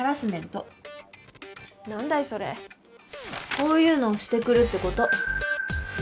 こういうのをしてくるってこと。